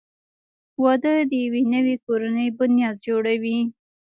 • واده د یوې نوې کورنۍ بنیاد جوړوي.